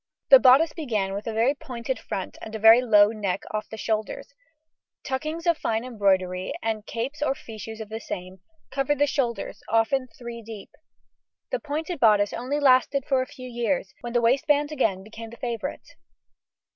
] The bodice began with a very pointed front and very low neck off the shoulders, tuck ins of fine embroidery, and capes or fichus of the same, covered the shoulders, often three deep. The pointed bodice only lasted for a few years, when the waistband again became the favourite.